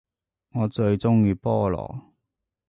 我最鍾意菠蘿